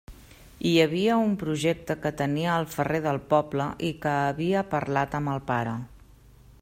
Hi havia un projecte que tenia el ferrer del poble i que havia parlat amb el pare.